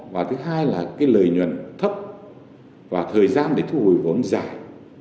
và thứ hai là cái lợi nhuận thấp và thời gian để thu hồi vốn dài